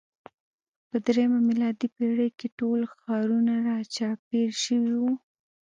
په درېیمه میلادي پېړۍ کې ټول ښارونه راچاپېر شوي وو.